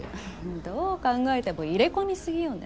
どう考えても入れ込みすぎよね。